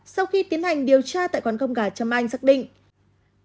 sau khi tiến hành điều tra tại quán cơm gà trâm anh xác định